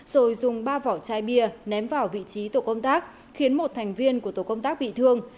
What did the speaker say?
rồi dùng ba vỏ chai bia ném vào vị trí tổ công tác khiến một thành viên của tổ công tác bị thương